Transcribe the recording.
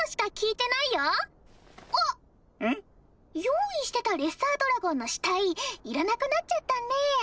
用意してたレッサードラゴンの死体いらなくなっちゃったねぇ。